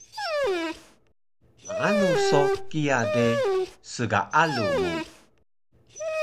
Maanu so kiya de, sgaalu mu